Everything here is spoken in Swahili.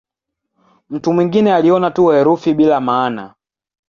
Mtu mwingine aliona tu herufi bila maana.